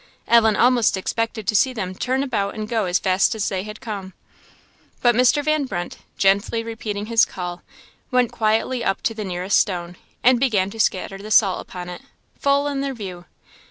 Ellen almost expected to see them turn about and go as fast as they had come. But Mr. Van Brunt, gently repeating his call, went quietly up to the nearest stone, and began to scatter the salt upon it, full in their view.